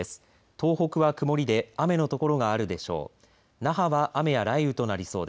東北は曇りで雨のところがあるでしょう。